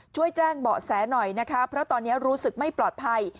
ช่วยแจ้งเบาะแสหน่อยนะคะเพราะตอนนี้รู้สึกไม่ปลอดภัย